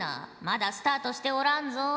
まだスタートしておらんぞ。